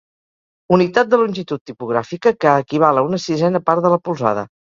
Unitat de longitud tipogràfica que equival a una sisena part de la polzada.